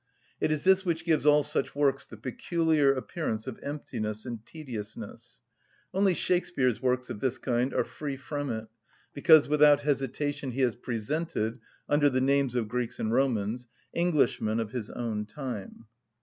It is this which gives all such works the peculiar appearance of emptiness and tediousness. Only Shakspeare's works of this kind are free from it; because without hesitation he has presented, under the names of Greeks and Romans, Englishmen of his own time.